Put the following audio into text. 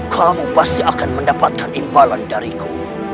kamu pasti akan mendapatkan imbalan dariku